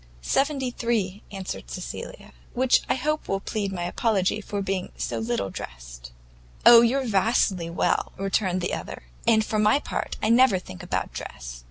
"Seventy three," answered Cecilia, "which I hope will plead my apology for being so little dressed." "Oh, you're vastly well," returned the other, "and for my part, I never think about dress.